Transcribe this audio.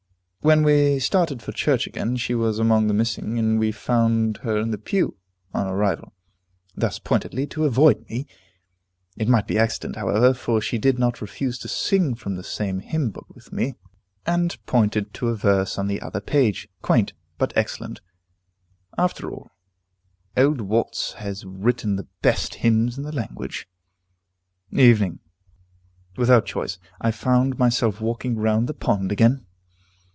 When we started for church again, she was among the missing, and we found her in the pew, on our arrival. Thus pointedly to avoid me! It might be accident, however, for she did not refuse to sing from the same hymn book with me, and pointed to a verse on the other page, quaint, but excellent. After all, old Watts has written the best hymns in the language. Evening. Without choice, I found myself walking round the pond again.